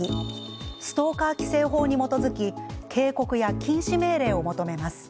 ストーカー規制法に基づき警告や禁止命令を求めます。